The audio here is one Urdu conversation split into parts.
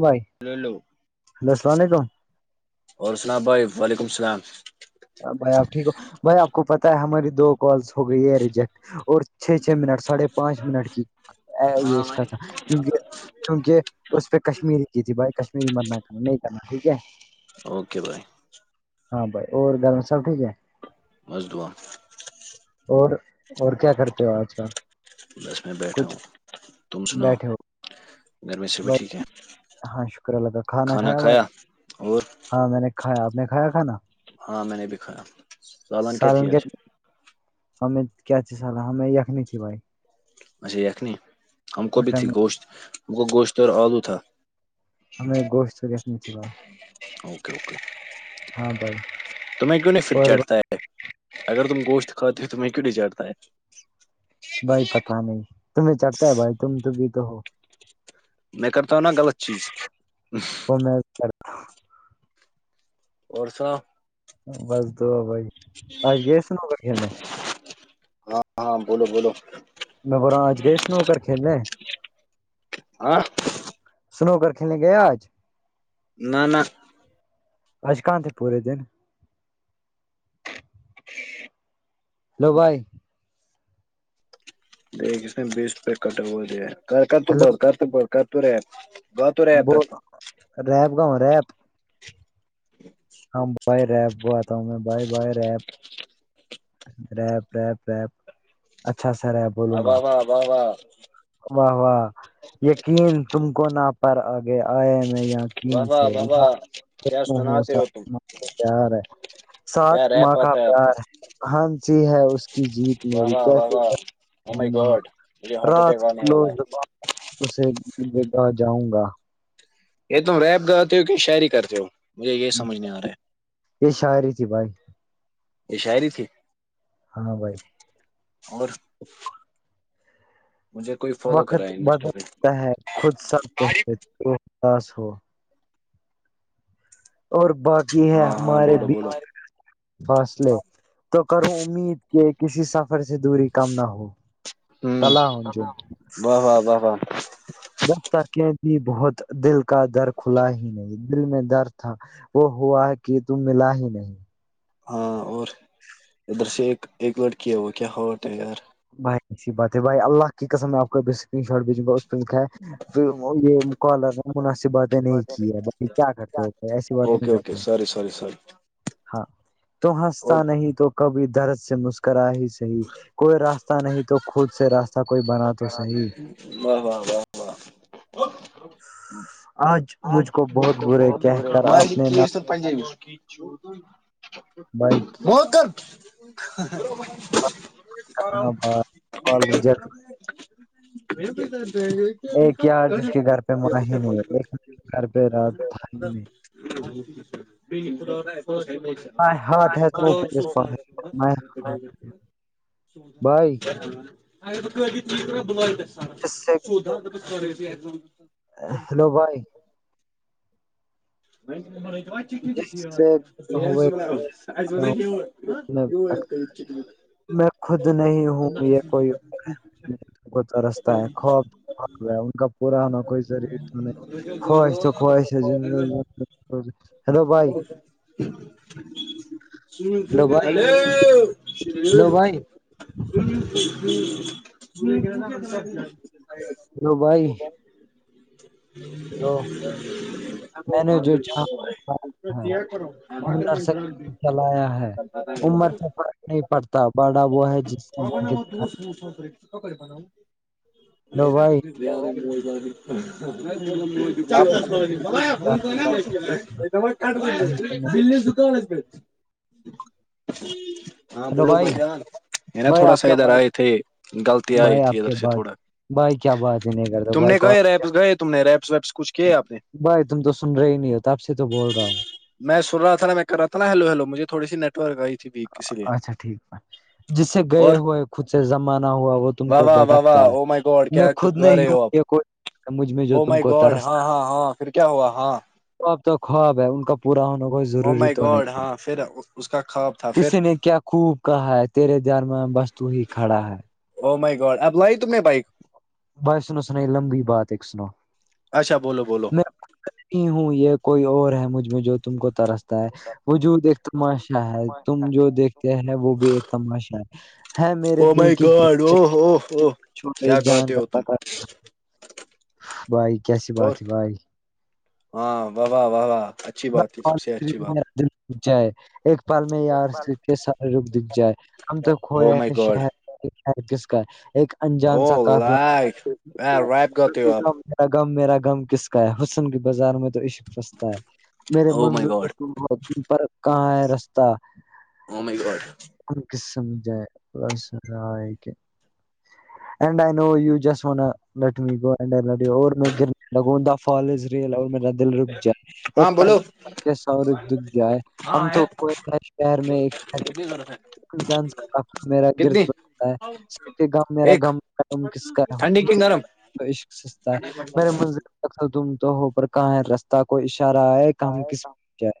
بھائی ہیللو ہلو السلام علیکم اور سناب بھائی وعلیکم السلام [unintelligible] بھائی آپ ٹھیک ہو بھائی آپ کو پتا ہے ہماری دو کالس ہو گئی ہے ریجیکٹ اور چھ چھ منٹ ساڑھے پانچ منٹ کی یہ ہاں اس کا بھائی تھا کیونکہ کیونکہ اس پہ کشمیری کی تھی بھائی کشمیری مت نہ کرنا نہیں کرنا ٹھیک ہے اوکے بائے ہاں بھائی اور گھر میں سب ٹھیک ہے بس دعا اور اور کیا کرتے ہو آج کل بس میں بیٹھا کچھ ہوں تم سنا بیٹھے ہو [unintelligible] گرمی سے بھی بھائی ٹھیک ہے ہاں شکر اللہ کا کھانا بھائی کھایا اور ہاں میں نے کھایا آپ نے کھایا کھانا ہاں میں نے بھی کھایا کیا سالن تھی آج ہمیں کیا ت سال ہمیں خنی تھی بھائی اچھا یخنی ہم کو اور بھی تھی ٹم گوشت ہم کو گوشت اور آلو تھا ہمیں گوش تو جیکنے چ اوکے اوکے بھائی تو میں کیوں نہیں فھر اور چڑھتا ہے اگر تم گوشت کاتو تم ہٮکو ڈیجائٹتاٮے بھائی پتا نہیں تمہیں چڑھتا ہے بھائی تم تو بھی تو ہو میں کرتاؤ نا غلط چیز وہ میں اور سا بس دعا بھائی آج گئے س ن ہوو کھیلنے ہاں بولو بولو میں ب رہ ہوں آج گئے اس نا ہو کر کھیلنے ہاں سنو گ کھیلنے گیا آج نا نا اج کاہاں تھ پورے دن ہیلو بھائی دیک ک نے بیس روپئے کٹا ہوا دیا کر کر تو ہلو بہت کر تو بت کر تو رہے بہت تو رہے ب تک ریب گاؤں ریب ہاں بائی ریپ ب آتا ہوں میں bye bye rape rape rape ری اچھا سا ریب اباب آبابا واہ واہ یقین تم کو نہ پر آئے میں اں کیین واہ واہ سے ل واہ واہ کیا ہوں سناتے ہو تم پار ہے ساتھ کیا ریپ ماں کا آتا آپ کو پیار ہے ہنسی ہے اس کی جیت واہ میری واہ واہ کیسے واہ او مائی گاڈ مجھے ہارٹ رات اٹیک آنے والا کلوز ہے اسے جگہ جاؤں گا یہ تم ریپ گاتے ہو کہ شہعری کرتے ہو مجھے یہ سمجھ نہیں آ رہا ہے یہ شاعری تھی بھائی یہ شاعری تھی ہاں بھائی اور مجھے کوئی فالو کرا وقت ہے انسٹا پہ بدلتا ہے خود سب کہتے توداس ہو اور باقی ہے ہاں ہاں ہمارے بولو بولو بیچ فاصلے تو کروں امید کہ کسی سب سفر سے دوری کم نہ ہو ت ہ ج و و واہ د ترک بھی بہت دل کا در کھلا ہی نہیں دل میں درد تھا وہ ہوا کہ تم ملا ہی نہیں ہاں اور ادھر سے ایک ایک لڑکی ہے وہ کیا ہووٹ ہے یار بھائی اچھی بات ہے بھائی اللہ کی قسم میں آپ کو ا اسکرین شاٹ بھیجوں گا اس پہ دکھا ہے پھر یہ کالر نے مناسب باتیں نہیں کی ہے بھائی کیا کرتے وہ ایسی باتیں نہیں کرتے سر سر سر ہاں تو ہنستا نہیں تو کبھی درد سے مسکرا ہی صحیح کوئی راستہ نہیں تو خود سے راستے و واہ واہ و آج ہاں مجھ کو ب برے بہت کہہ کر بے آپ نے کی نہ سب پ بائک وہ کر [unintelligible] بعدال ریجیکٹ ر پ کر جائیں گے [unintelligible] ایک یار جس کے گھر پہ ماہین ہے ایک گھر پہ رات by my [unintelligible] heart has no place for my heart [unintelligible] بھائی شھن اگر ب کای ب لائیٹس سر اس سے سود ہیلو بھائی جس سے وہیر ہوئے کھڑا رہ ہوں، میں بھٹکتا [unintelligible] میں خود نہیں ہوں یہ کوئی رستا ہے خواب کا پرانا کوئی ذریعہ تو نہیں خواہش تو خواہش ہے زندگی ہیلو بھائی [unintelligible] ہیلو بھائی ہلے ش ج ج ہیلو بھائی ہیلو بھائی ان اپ جو ہ عر سے چلایا ہے عمر سے نہیں پڑتا بڑا وہ ہے جس م [unintelligible] ب ب ہیلو بھائی آپ کا- فون کاٹ ب د دک پ ہاں ہیلو بولو بھائی بازار ہے نا بھائی تھوڑا آپ سا کا ادھر بات آئے تھے غلط آئی بھائی تھی آپ کیا ادھر سے بات تھوڑا بھائی کیا بات ہی نہیں کرتا تم بھائی نے کہئے کال ریپس گئے تم نے ریپس ویپس کچھ کہ آ نے بھائی تم تو سن رہے ہی نہیں ہو آپ سے تو بول رہا ہوں میں سنا تھا نا میں کر رہا تھا ن ہیلو ہیلو مھے تھوڑی ورک آئیھی اچھا ٹھیک ہے جس سے گئے اور ہوئے خود سے زمانہ ہوا وہ تم واہ کو واہ واہ بھٹکتا واہ او مائی گاڈ ہے کیا میں خود کر نہیں رہے ہوں ہو آپ یہ کوئی سمجھ میں جو او تم مائی کو گاڈ ہاں ترستا ہاں ہاں پھر کیا ہوا ہاں تو اب تو خواب ہے ان کا پورا ہونا کو او ضروری مائی تو گاڈ نہیں ہے ہاں پھر اس کا کواب کسی نے کیا خوب کہا ہے تیرے دھر میں بستو ہی کھڑا ہے او مائی گوڈ اب لاہ ت بائک بائی سنو سنائی لمبی بات ایک سنو اچھا بولو بولو میںتی ہوں یہ کوئی اور ہے مجھ میں جو تم کو ترس [unintelligible] تا وجود ایک تماشا ہے تم جو دیکھتے ہیں وہ بھی ایک تماشا ہے ہے میرے او دل مائی کیش گاڈ او ہو ہو کیا جان- گاتے ہو تم بھائی کیسی بات اور ہے بھائی- ہاں واہ- واہ- واہ -واہ اچھی بات ہے سب سے اچھی بات [unintelligible] [inaudible] ایک پال میں یار سے کہ سارے رخ دکھ جائے ہم تو او کھوئے مائی ہیں گاڈ شہر- کس کا ایک انجان او سا قفلہ- لائک ریپ گاتے ہو آپ یر غم میرا غم کس کا ہے حسن کی بازار میں تو عشق فستتا ہے میرے او مائی منظ- گاڈ پر کہاں ہے رستہ [unintelligible] ہم کسمھ ہے سر کہ [unintelligible] [unintelligible] ہاں بولو [unintelligible] کتنی ضرورت ہے [inaudible] کتنی ایک ٹھنڈی کی گرم [inaudible] [unintelligible] پہ جائے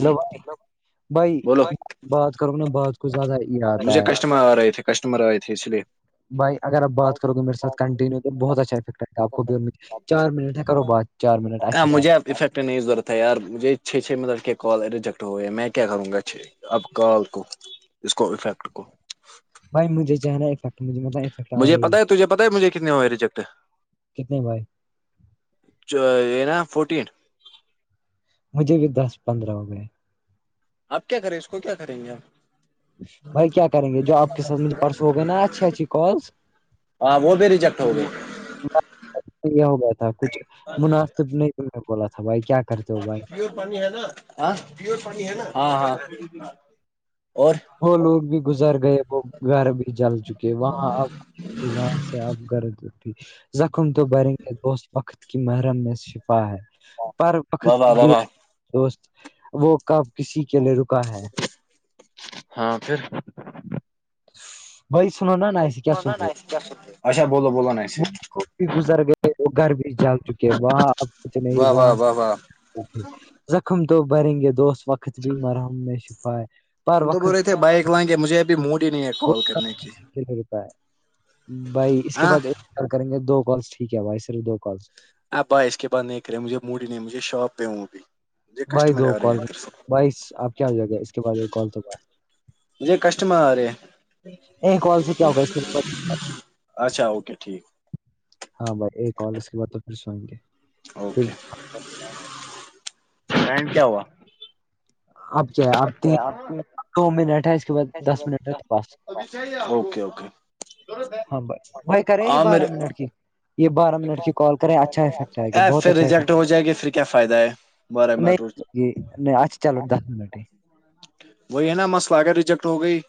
ہیلو بھائی بھائی، بولو بات کرو نا بعات کوچ زیادہ یہ آتا مجھے ہے- کسٹمر آ رہے تھے کسٹمر آئے تھے اس لیے بھائی اگر آپ بات کرو گے میرے ساتھ کنٹینیو تو بہت اچھا افیکٹ رہتا آپ کو بھی چار منٹ ہے کرو بات- چار منٹ ہاں، اچھے سے- مجھے اب افیکٹ نہیں ضرورت ہے ار مجھے چھ چھ منٹ کے کال ریجیکٹ ہو گئے ہیں میں کیا کروں گا چھ- اب کال کو اس کو افیکٹ کو- بھائی مجھے جانا ہے سکتا [unintelligible] مجھے پتا ہے تجھے پتا ہے مجھے کتنے ہو گئے ریجیکٹ- کتنے بھائی یہ نا فورٹین- مجھے بھی دس- پندرہ ہو گئے- آپ کیا کریں اس کو کیا کریں گیں اب- بھائی کیا کریں گے جو آپ کے ساتھ مجھے پرسوں ہو گئے نا اچھی اچھی کالز- ہاں وہ بھی ریجکٹ- یہ ہو گیا تھا کچھ مناسب نہیں- میں بولا تھا بھائی کیا کرتے ہو بھائی- [inaudible] آ ہے نا ہاں- ہاں [unintelligible] اور وہ لوگ بھی گزر گئے وہ گھر بھی جل چکے وہاں اب وہاں سے- آپ غرد اھی زخم تو بریں گے دوست وقت کی محرم میں شفا ہے- پر وقت واہ واہ واہ بھی واہ دوست وہ کب کسی کے لیے رکا ہے- ہاں پھر- وہی سنو نا نا اسے کیا سن رہے اچھا بولو- بولو نہ- وہ خ بھی گزر گئے وہ گھر بھی جاگ چکے وہاں اب کچھ نہیں واہ وہاں واہ [inaudible] واہ واہ اوکے زخم تو بھریں گے دوست وقت بھی مرحم میں شفاائے- تم تو بول رہے بائک لانگ کے مجھے- موڈ ہی نہیں ہے وہ کال کب کرنے کی کسی کے لیے رکا ہے بھائی اس کے ہاں- بعد ایک کریں گے دو کالس ٹھیک ہے بھائی صرف دو کالس- بھائی اسکے بعد بات نہیں کرے مجھے موڈی نہیں مجھے شاپ پہ ہوں بھی- بائی دو کال بائی آپ کیا ہو جائے گا اس کے بعد ایک کال تو بات- مجھے کسٹمر ہے ایک کال سے کیا ہوگا اس کے- اچھا, اوکے ٹھیک ہے- ہاں بھائی ایک کال اس کے بع تو پھر سوئیں گے- پھر اوکے فڈ کیا ہوا- اب کیا اب ت دو منٹ ہے اس- کے بعد دس منٹ ہے تو بس اوکے- اوکے ہاں بھائی بھائی کریں آ یہ مر بارہ منٹ کی یہ بارہ منٹ کی کال کریں اچھا افیکٹ آئے گا ا بہت پھر اچھا ریجیکٹ افیکٹ ہو جائے گی پھر کیا فائدہ ہے- بارہ منٹ روز نہیں- نہیں آھ چلو دس منٹ ہی- وہی ہے نا مس ل آگئے ریجیکٹ ہو گئی-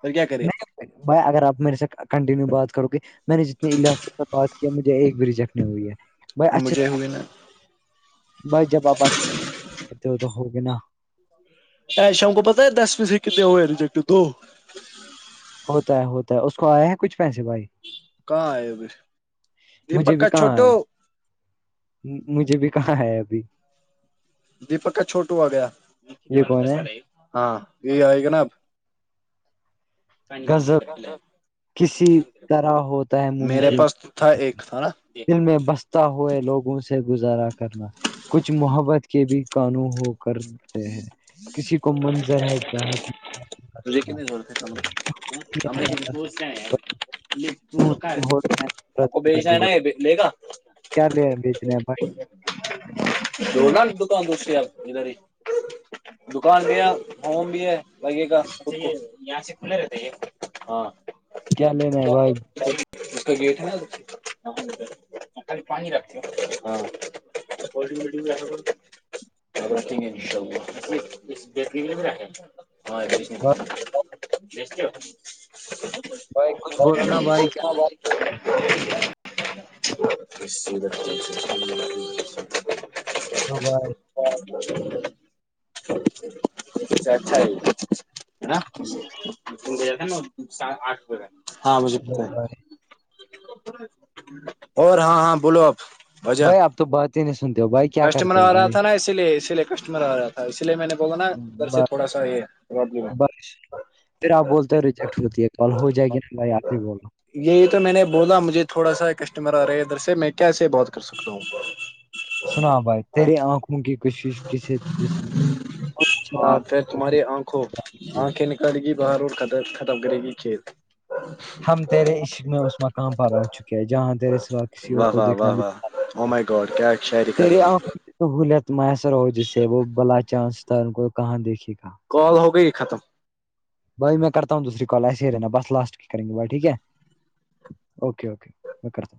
پھر کیا کرے نہیں بھائی اگر آپ میرے سے کنٹینیو بات کرو گے- میں نے جتنی ال بات کیا مجھے ایک بری جکھنی ہوئی ہے بھائی اچھے سے مجھے ہوئی نا بھائی جب آپ اچھے کہتے ہو تو ہوگے نا جاں ای شام کو پتا ہے دس پیسے کتنے ہوئے ریجیکٹ دو- ہوتا ہے ہوتا ہے اس کو آیا ہے کچھ پیسے بھائی کہاں آئے ابھی مجھے دیپک بھی کا کہاں چھوٹو ہے مجھے بھی کہاں ہے ابھی دپک کا چھوٹو ہو گیا یہ وال کون ہے ہاں یہی آئے گا نا اب کہ نہیں غزل بولسل کسی طرح ہوتا ہے ممکن پاس تو تھا ایک تھا نا دل میں بست ہوئے لوگوں سے گزارا کرنا کچھ محبت کے بھی قانو ہو کرتے ہیں کسی کو منظر ہے چاہت تو جے کنے گھر پتا ب گزار ملے گا کیا لے بیچنا ہے بھائی جو نا دکان دوسری آپ گ ر دکان بھی ہے ہوم بھی ہے وے کا یہاں سے کھلے رہتے ہاں لینا ہے کیا بھائی اس کا گیٹ ہے نا ک پانی رکھتے ہاں بھیا کر [unintelligible] ا ر بھائی ان شاء بھائی اللہ کچھ بولو نا بھائی کیا ہاں [unintelligible] ب [inaudible] دو بھائے اچھا اچھا ناات نا آٹھ بج ہاں مجھے لو پتا ہے [unintelligible] بھائی اور ہاں ہاں بولو آپ بھجن بھائی آپ تو بات ہی نہیں سنتے ہو بھائی کیا کسٹمر کرتے ہو آ رہا بھائی تھا نا اسی لیے اسی لیے کسٹمر آ رہا تھا اس لیے میں نے بوگا نا ادھر سے تھوڑا سا یہ پرابلم ہے بس پھر آپ بولتے ہو ریجیکٹ ہوتی ہے کل ہو جائے گیا بھائی آپ ہی بول رہو یہی تو میں نے بولا مجھے تھوڑا سا کسٹمر آ رہا ہے ادھر سے میں کیا سے بات کر سکتا ہوں سنا بھائی تیری آنکھ منک کی کشش جس ہاں پھر تمہاری آنکھوں دکھتا مجھے آنکھ چل گی باہر اور خم ختم کرے گی کھیت ہم تیرے عشق میں اس مقام پر رہ چکے ہیں جہاں تیرے سوا کسی اور کو دیکھنا بھی ہم گاڈ ش [unintelligible] تیری آنکھوں کی سہولیت میسر ہو جسے وہ بلا چانس تھا ان کو کہاں دیکھے گا کال ہو گئی ختم [unintelligible] بھائی میں کرتا ہوں دوسریال ایس ہی رہنا بس لسٹ کے کریں گے بائی ٹھیک ہے اوکے اوکے میں کرتا ہوں